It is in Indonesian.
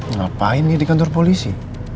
ngapain nih di kantor polisi